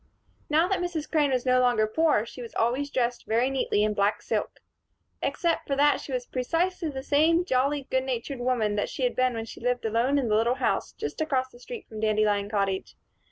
Now that Mrs. Crane was no longer poor, she was always dressed very neatly in black silk. Except for that she was precisely the same jolly, good natured woman that she had been when she lived alone in the little house just across the street from Dandelion Cottage.